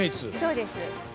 そうです。